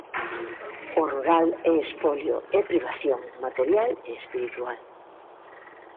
O rural é espolio, é privación material e espiritual.